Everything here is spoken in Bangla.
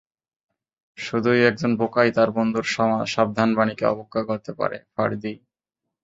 শুধুই একজন বোকাই তার বন্ধুর সাবধানবাণীকে অবজ্ঞা করতে পারে, ফার্দি।